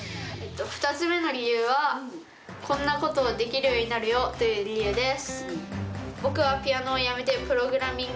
２つ目の理由は「こんなことできるようになるよ」という理由です。